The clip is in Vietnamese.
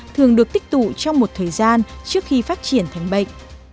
thường được tích tụ trong một thời gian trước khi phát triển thành bệnh